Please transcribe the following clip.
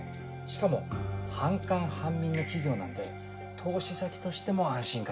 しかも半官半民の企業なんで投資先としても安心かと。